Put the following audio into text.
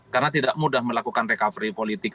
karena tidak mudah melakukan recovery politik